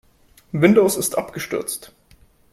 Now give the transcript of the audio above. Windows ist abgestürzt.